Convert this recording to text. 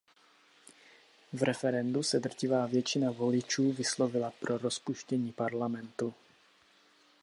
V referendu se drtivá většina voličů vyslovila pro rozpuštění parlamentu.